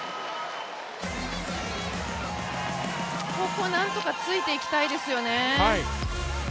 ここ、なんとか突いていきたいですよね。